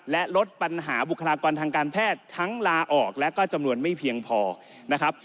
และลดปัญหาบุคลากรทางการแพทย์ทั้งลาออกและก็จำนวนไม่เพียงพอนะครับ